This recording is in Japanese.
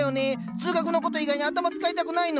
数学の事以外に頭使いたくないの。